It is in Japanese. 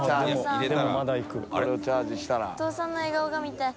△譟お父さんの笑顔が見たい。